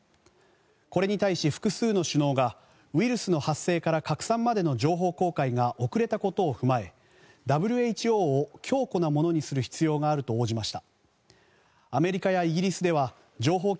これに対し複数の首脳がウイルスの発生から拡散までの情報公開が遅れたことを踏まえＷＨＯを強固なものにする必要があると応じました。